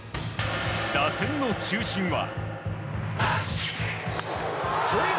打線の中心は。